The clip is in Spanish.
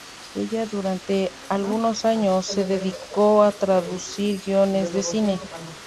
Ella durante algunos años se dedicó a traducir guiones de cine.